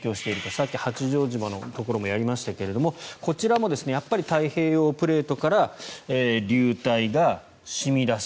さっき、八丈島のところもやりましたがこちらも太平洋プレートから流体が染み出す。